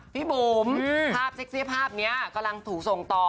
พี่บุ๋มภาพเซ็กซี่ภาพนี้กำลังถูกส่งต่อ